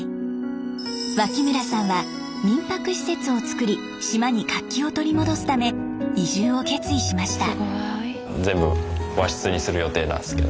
脇村さんは民泊施設をつくり島に活気を取り戻すため移住を決意しました。